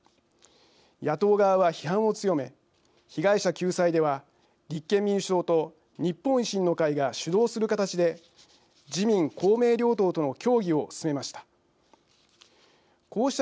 野党側は批判を強め被害者救済では、立憲民主党と日本維新の会が主導する形で自民・公明両党との協議を進めました。